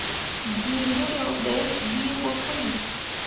Dǝ mbǝro be gii ɓo puli.